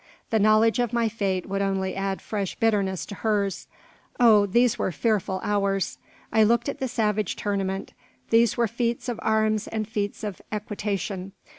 The knowledge of my fate would only add fresh bitterness to hers. Oh, these were fearful hours! I looked at the savage tournament. There were feats of arms and feats of equitation.